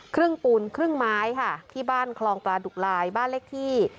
ปูนครึ่งไม้ค่ะที่บ้านคลองปลาดุกลายบ้านเลขที่